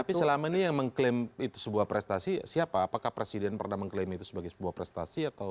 tapi selama ini yang mengklaim itu sebuah prestasi siapa apakah presiden pernah mengklaim itu sebagai sebuah prestasi atau